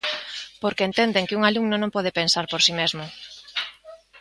Porque entenden que un alumno non pode pensar por si mesmo.